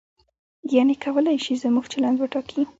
یعنې کولای شي زموږ چلند وټاکي.